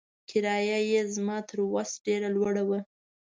کرایه یې زما تر وس ډېره لوړه وه.